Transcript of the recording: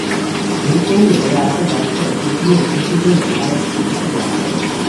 দূত কহিল, তবে আরাকান-রাজসভায় পূজনীয় অতিথি হইয়া মহারাজ কিছু কাল বাস করুন।